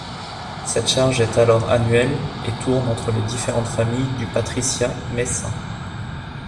Cette charge est alors annuelle et tourne entre les différentes familles du patriciat messin.